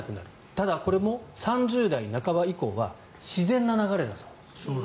ただ、これも３０代半ば以降は自然な流れだそうです。